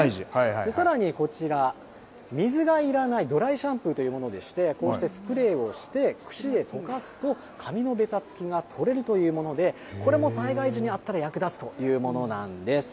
さらにこちら、水がいらないドライシャンプーというものでして、こうしてスプレーをして、くしでとかすと、髪のべたつきが取れるというもので、これも災害時にあったら役立つというものなんです。